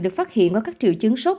được phát hiện có các triệu chứng sốt